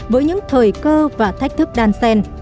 với những thời cơ và thách thức đan xen